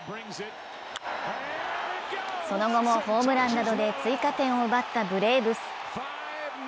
その後もホームランなどで追加点を奪ったブレーブス。